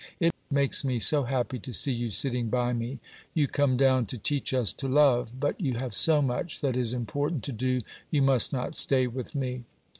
It makes me so happy to see you sitting by me. You come down to teach us to love; but you have so much that is important to do, you must not stay with me."